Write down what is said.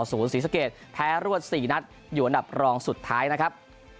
ศรีสะเกดแพ้รวด๔นัดอยู่อันดับรองสุดท้ายนะครับ